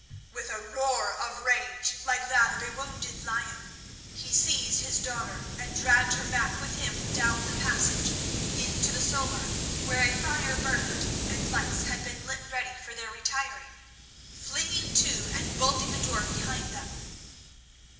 With a roar of rage like that of a wounded lion, he seized his daughter and dragged her back with him down the passage into the solar where a fire burned and lights had been lit ready for their retiring, flinging to and bolting the door behind them.